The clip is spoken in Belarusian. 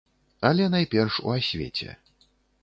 Але найперш у асвеце.